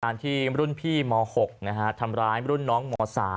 ที่รุ่นพี่ม๖ทำร้ายรุ่นน้องม๓